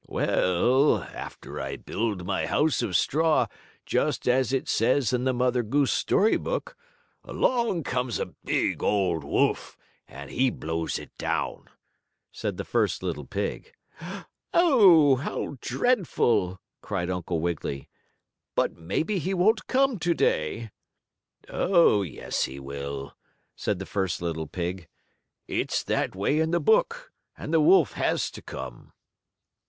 "Well, after I build my house of straw, just as it says in the Mother Goose story book, along comes a bad old wolf, and he blows it down," said the first little pig. "Oh, how dreadful!" cried Uncle Wiggily, "but maybe he won't come to day." "Oh, yes, he will," said the first little pig. "It's that way in the book, and the wolf has to come."